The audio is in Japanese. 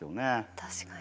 確かに。